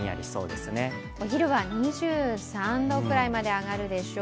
お昼は２３度ぐらいまで上がるでしょう。